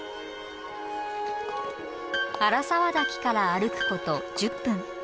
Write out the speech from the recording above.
荒沢瀧から歩くこと１０分。